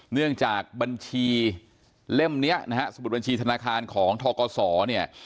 เนื่องจากบัญชีเล่มเนี้ยนะฮะสมุดบัญชีธนาคารของทกศเนี่ย